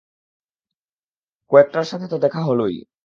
কয়েকটার সাথে তো দেখা হলোই।